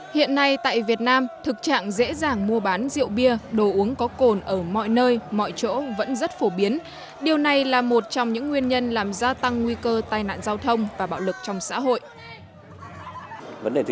hiện nay tại việt nam thực trạng dễ dàng mua bán rượu bia đồ uống có cồn ở mọi nơi mọi chỗ vẫn rất phổ biến điều này là một trong những nguyên nhân làm gia tăng nguy cơ tai nạn giao thông và bạo lực trong xã hội